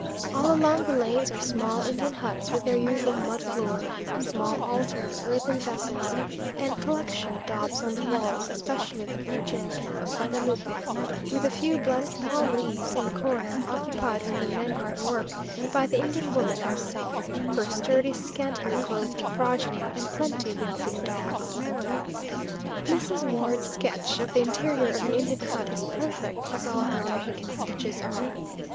All along the lanes are small Indian huts, with their usual mud floor, small altar, earthen vessels, and collection of daubs on the walls; especially of the Virgin of Guadalupe; with a few blest palm leaves in the corner; occupied, when the men are at work, by the Indian woman herself, her sturdy, scantily clothed progeny, and plenty of yelping dogs. Mrs. Ward's sketch of the interior of an Indian hut is perfect, as all her Mexican sketches are.